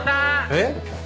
えっ？